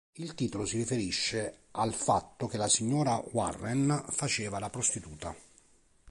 Il titolo si riferisce al fatto che la signora Warren faceva la prostituta.